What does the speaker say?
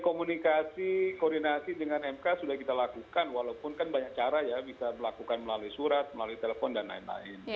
komunikasi koordinasi dengan mk sudah kita lakukan walaupun kan banyak cara ya bisa melakukan melalui surat melalui telepon dan lain lain